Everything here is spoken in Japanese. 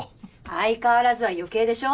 相変わらずは余計でしょ。